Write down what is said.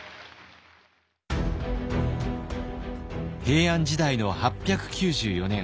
平安時代の８９４年。